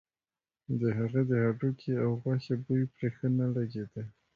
د هغه د هډوکي او غوښې بوی پرې ښه نه لګېده.